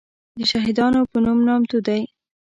دشهیدانو په نوم نامتو دی.